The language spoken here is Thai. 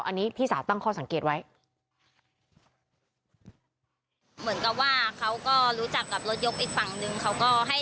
อันนี้พี่สาวตั้งข้อสังเกตไว้